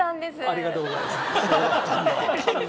ありがとうございます。